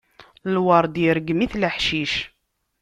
Lweṛd irgem-it leḥcic.